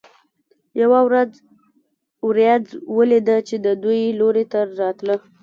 یوه ورځ ورېځ ولیده چې د دوی لوري ته راتله.